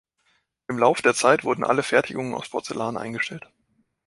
Im Lauf der Zeit wurden alle Fertigungen aus Porzellan eingestellt.